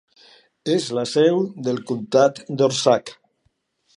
És la seu del comtat d'Ozark.